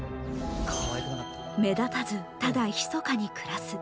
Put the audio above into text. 目立たずただひそかに暮らす。